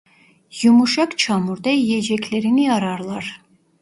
Yumuşak çamurda yiyeceklerini ararlar.